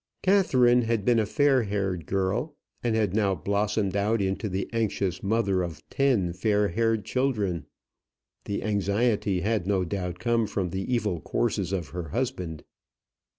Catherine had been a fair haired girl, and had now blossomed out into the anxious mother of ten fair haired children. The anxiety had no doubt come from the evil courses of her husband.